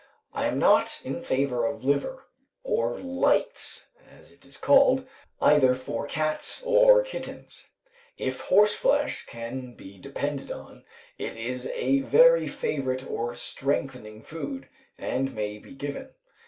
I am not in favour of liver, or "lights," as it is called, either for cats or kittens. If horseflesh can be depended on, it is a very favourite and strengthening food, and may be given.